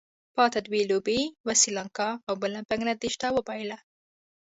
پاتې دوه لوبې یې یوه سري لانکا او بله بنګله دېش ته وبايلله.